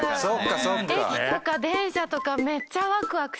駅とか電車とかめっちゃワクワクします。